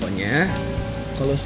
aku mau ke rumah